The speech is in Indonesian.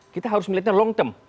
kita harus melihatnya long term